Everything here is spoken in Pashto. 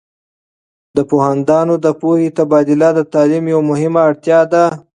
د پوهاندانو د پوهې تبادله د تعلیم یوه مهمه اړتیا ده.